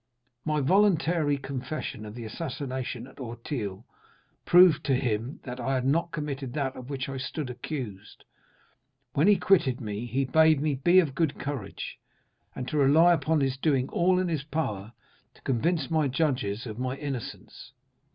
My voluntary confession of the assassination at Auteuil proved to him that I had not committed that of which I stood accused. When he quitted me, he bade me be of good courage, and to rely upon his doing all in his power to convince my judges of my innocence.